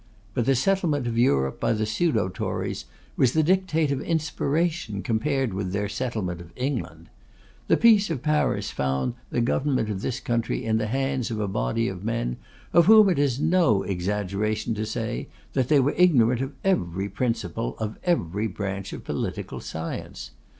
But the settlement of Europe by the pseudo Tories was the dictate of inspiration compared with their settlement of England. The peace of Paris found the government of this country in the hands of a body of men of whom it is no exaggeration to say that they were ignorant of every principle of every branch of political science.